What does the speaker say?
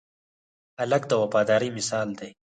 هلک د وفادارۍ مثال دی.